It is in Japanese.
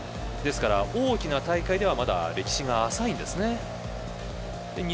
ですから、大きな大会ではまだ歴史が浅いんですね。